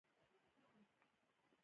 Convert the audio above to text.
غڼه څنګه جال جوړوي؟